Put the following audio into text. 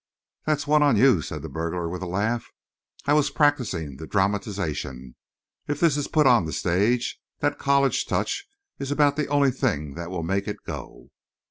"That's one on you," said the burglar, with a laugh. "I was practising the dramatization. If this is put on the stage that college touch is about the only thing that will make it go."